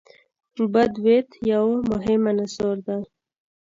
بدویت یو مهم عنصر دی.